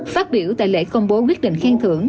phát biểu tại lễ công bố quyết định khen thưởng